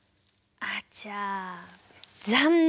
あちゃ残念！